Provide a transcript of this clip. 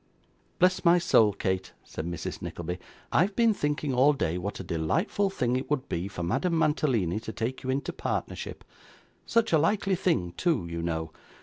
'Bless my soul, Kate,' said Mrs. Nickleby; 'I've been thinking all day what a delightful thing it would be for Madame Mantalini to take you into partnership such a likely thing too, you know!